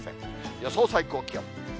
予想最高気温。